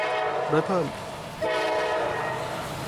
โดยเพิ่ม